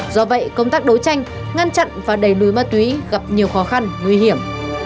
do vậy công tác đấu tranh ngăn chặn và đẩy lùi ma túy gặp nhiều khó khăn nguy hiểm